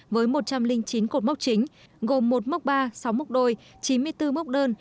với một trăm linh chín cột mốc chính gồm một mốc ba sáu mốc đôi chín mươi bốn mốc đơn